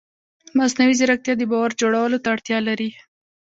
مصنوعي ځیرکتیا د باور جوړولو ته اړتیا لري.